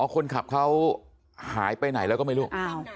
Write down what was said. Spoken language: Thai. คนขับเขาหายไปไหนแล้วก็ไม่รู้